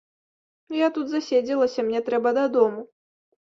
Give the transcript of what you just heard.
Я тут заседзелася, мне трэба дадому.